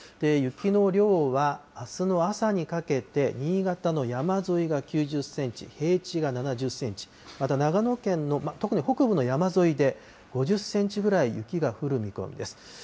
雪の量は、あすの朝にかけて、新潟の山沿いが９０センチ、平地が７０センチ、また、長野県の特に北部の山沿いで５０センチぐらい雪が降る見込みです。